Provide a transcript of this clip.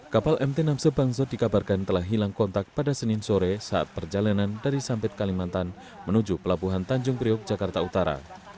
kapal mt enam c bangzz dikabarkan telah hilang kontak pada senin sore saat perjalanan dari sampit kalimantan menuju pelabuhan tanjung priok jakarta utara